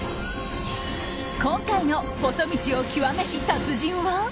今回の細道を極めし達人は。